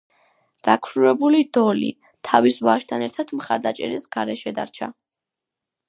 დაქვრივებული დოლი, თავის ვაჟთან ერთად მხარდაჭერის გარეშე დარჩა.